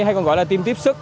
hay còn gọi là team tiếp sức